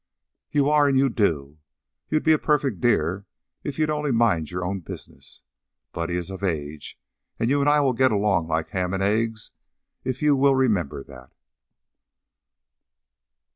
"You are, and you do. You'd be a perfect dear if you'd only mind your own business. Buddy is of age, and you and I will get along like ham and eggs if you'll remember that."